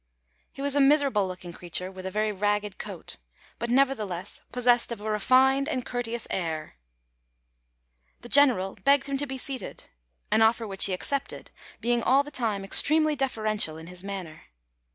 He was a miserable looking creature, with a very ragged coat, but nevertheless possessed of a refined and courteous air. The general begged him to be seated, an offer which he accepted, being all the time extremely deferential in his manner.